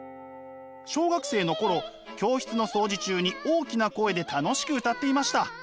小学生の頃教室の掃除中に大きな声で楽しく歌っていました。